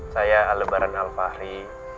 saya alebaran al fahri